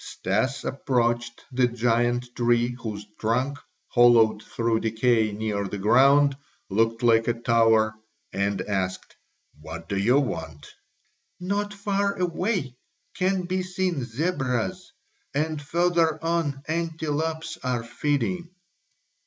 Stas approached the giant tree, whose trunk, hollowed through decay near the ground, looked like a tower, and asked: "What do you want?" "Not far away can be seen zebras, and further on antelopes are feeding."